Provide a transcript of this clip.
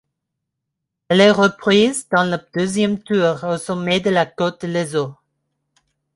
Elle est reprise dans le deuxième tour au sommet de la côte de Lezot.